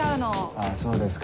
あぁそうですか。